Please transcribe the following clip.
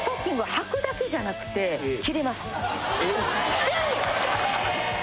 着てんの？